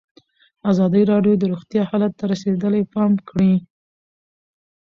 ازادي راډیو د روغتیا حالت ته رسېدلي پام کړی.